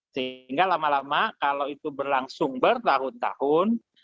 sehingga lama lama kalau itu berlangsung bertahun tahun